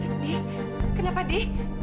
di kenapa di